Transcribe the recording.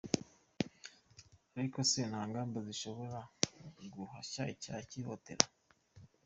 Ariko se nta ngamba zishobora guhashya icyaha cy’ihohotera? .